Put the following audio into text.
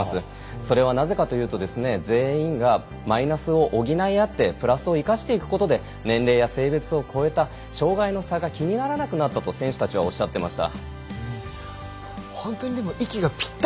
それは、なぜかというと全員がマイナスを補い合ってプラスを生かしていくことで年齢や性別を越えた障がいの差が気にならくなったと選手たちはおっしゃってました。